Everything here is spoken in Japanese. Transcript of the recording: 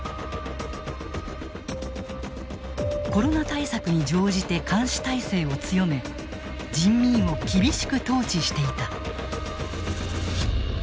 コロナ対策に乗じて監視体制を強め人民を厳しく統治していた。